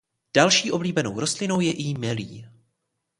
Další oblíbenou rostlinou je i jmelí.